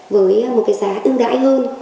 với một giá ương đại hơn